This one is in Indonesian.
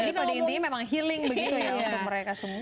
jadi pada intinya memang healing begitu ya untuk mereka semua